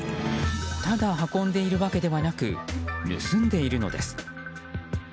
ただ運んでいるわけではなく盗んでいるのです。